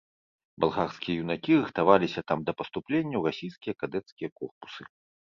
Балгарскія юнакі рыхтаваліся там да паступлення ў расійскія кадэцкія корпусы.